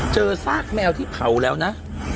ซากแมวที่เผาแล้วนะ